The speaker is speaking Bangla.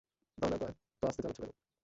তাহলে এত আস্তে চালাচ্ছ কেন?